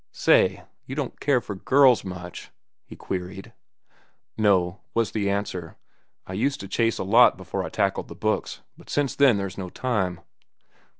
"Say, you don't care for the girls—much?" he queried. "No," was the answer. "I used to chase a lot before I tackled the books. But since then there's no time."